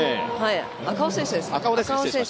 赤穂選手ですね。